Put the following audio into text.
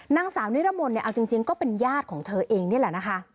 นางสาวนิรมนต์เนี่ยเอาจริงก็เป็นญาติของเธอเองนี่แหละนะคะ